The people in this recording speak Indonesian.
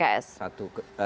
hanya menyebut pks